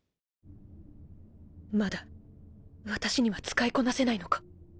まだ私には使いこなせないのか。